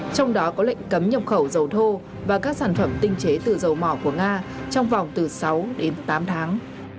trong đó có lệnh cấm nhập khẩu dầu thô và các sản phẩm tinh chế từ dầu mỏ của nga trong vòng từ sáu đến tám tháng